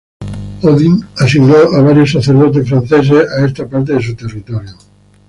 Odin, asignó a varios sacerdotes franceses a esta parte de su territorio.